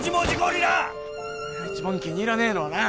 俺が一番気に入らねえのはな